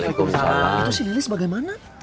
itu si lili sebagaimana